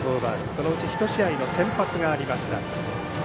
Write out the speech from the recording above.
そのうち１試合の先発がありました。